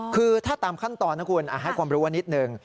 คือถ้าตามขั้นตอนนะคุณให้ความรู้ว่านิดหนึ่ง